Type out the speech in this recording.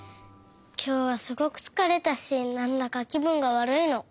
きょうはすごくつかれたしなんだかきぶんがわるいの。